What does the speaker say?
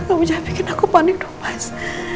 kamu jangan bikin aku panik dong mas